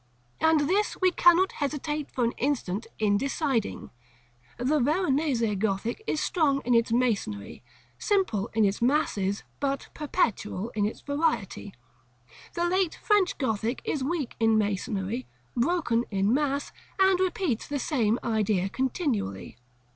And this we cannot hesitate for an instant in deciding. The Veronese Gothic is strong in its masonry, simple in its masses, but perpetual in its variety. The late French Gothic is weak in masonry, broken in mass, and repeats the same idea continually.